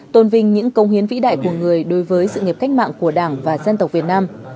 tôn vinh những công hiến vĩ đại của người đối với sự nghiệp cách mạng của đảng và dân tộc việt nam